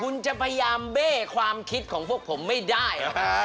คุณจะพยายามเบ้ความคิดของพวกผมไม่ได้